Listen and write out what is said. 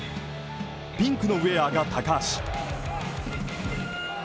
ピンクのウェアが高橋。